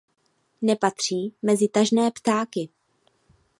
Nepatří mezi tažné ptáky.